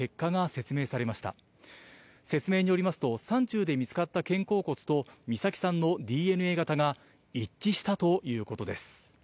説明によりますと、山中で見つかった肩甲骨と、美咲さんのＤＮＡ型が一致したということです。